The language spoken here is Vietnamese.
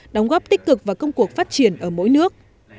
đóng góp tích cực và công cuộc phát triển ở mỗi nước